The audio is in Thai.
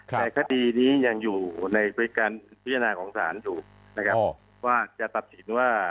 แต่คดีนี้ยังอยู่ในบริการพิจารณาของศาลอยู่นะครับว่าจะตัดสินว่า